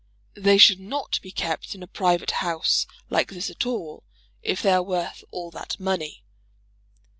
"They should not be kept in a private house like this at all, if they are worth all that money."